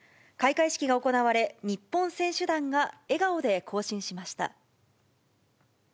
開会式が行われ、日本選手団が笑顔で行進しました。